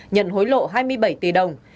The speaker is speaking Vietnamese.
nhận hối lộ hai mươi bảy tỷ đồng